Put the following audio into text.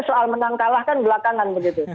urusannya nanti soal menang kalah kan belakangan